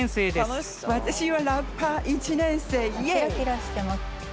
キラキラしてます。